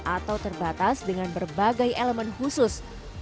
atau terbatas dengan berbagai elemen khusus